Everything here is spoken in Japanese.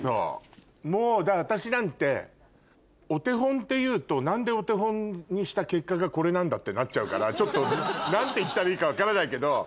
もうだから私なんてお手本って言うと「何でお手本にした結果がこれなんだ？」ってなっちゃうからちょっと何て言ったらいいか分からないけど。